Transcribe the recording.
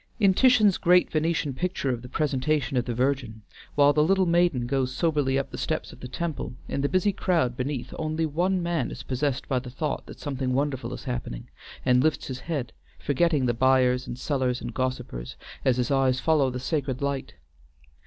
In Titian's great Venetian picture of the Presentation of the Virgin, while the little maiden goes soberly up the steps of the temple, in the busy crowd beneath only one man is possessed by the thought that something wonderful is happening, and lifts his head, forgetting the buyers and sellers and gossipers, as his eyes follow the sacred sight.